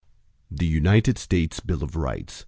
The United States Bill of Rights.